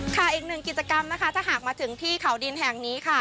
อีกหนึ่งกิจกรรมนะคะถ้าหากมาถึงที่เขาดินแห่งนี้ค่ะ